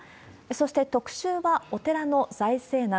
そして、特集はお寺の財政難。